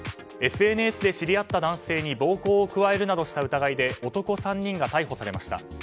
ＳＮＳで知り合った男性に暴行を加えるなどした疑いで男３人が逮捕されました。